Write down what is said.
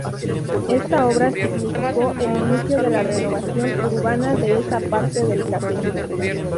Esta obra significó el inicio de la renovación urbana de esa parte del caserío.